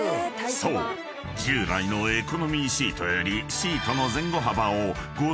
従来のエコノミーシートより］